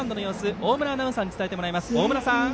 大村アナウンサーに伝えてもらいます。